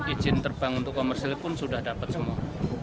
izin terbang untuk komersil pun sudah dapat semua